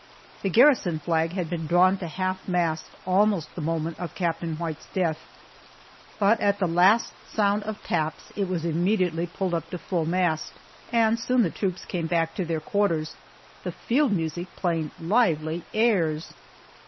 The garrison flag had been drawn to half mast almost the moment of Captain White's death, but at the last sound of taps it was immediately pulled up to full mast, and soon the troops came back to their quarters, the field music playing lively airs.